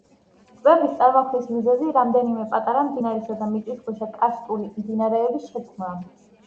ტბების წარმოქმნის მიზეზი რამდენიმე პატარა მდინარისა და მიწისქვეშა კარსტული მდინარეების შერწყმაა.